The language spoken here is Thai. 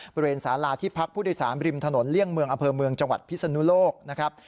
บริเวณสาราที่พักผู้โดยสารริมถนนเลี่ยงเมืองอำเภอเมืองจังหวัดพิศนุโลกนะครับ